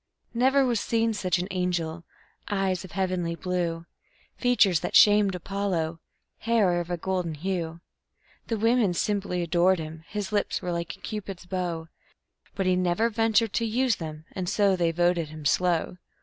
Never was seen such an angel eyes of heavenly blue, Features that shamed Apollo, hair of a golden hue; The women simply adored him; his lips were like Cupid's bow; But he never ventured to use them and so they voted him slow.